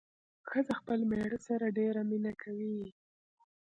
ښځه خپل مېړه سره ډېره مينه کوي